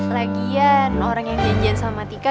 lagian orang yang janjian sama tika